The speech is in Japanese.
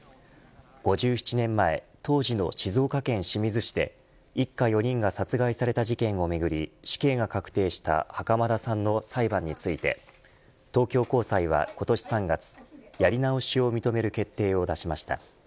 ５７年前、当時の静岡県清水市で一家４人が殺害された事件をめぐり死刑が確定した袴田さんの裁判について東京高裁は今年３月やり直しを認める決定を出しました。